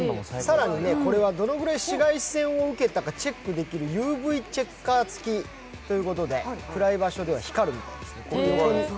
更に、これはどのぐらい紫外線を受けたかチェックできるＵＶチェッカーつきということで、暗い場所では光るみたいですよ。